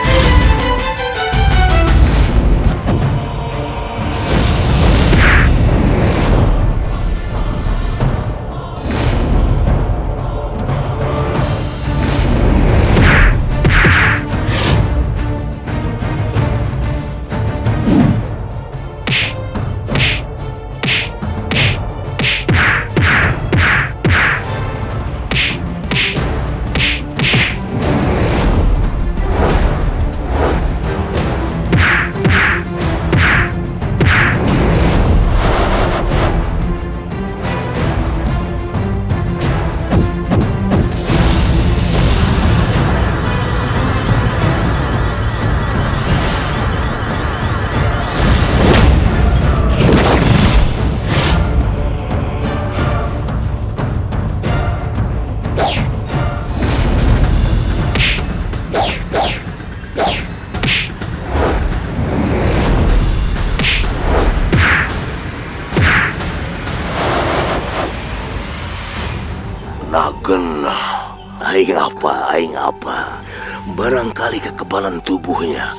ajar lagi lagi kau pergi dariku sorowisesa